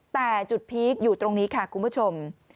แต่จุดพีคอยู่ตรงนี้ค่ะคุณผู้ชม